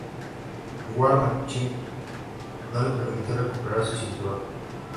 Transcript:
War Machine no le permitió recuperar su cinturón.